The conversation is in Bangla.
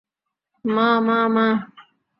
মা, মা, মা!